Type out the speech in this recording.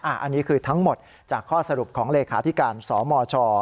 อันนี้คือทั้งหมดจากข้อสรุปของเลขาธิการสมช